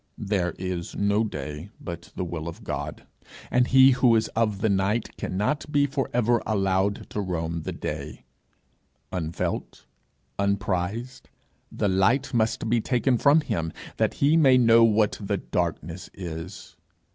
There is no day but the will of God, and he who is of the night cannot be for ever allowed to roam the day; unfelt, unprized, the light must be taken from him, that he may know what the darkness is.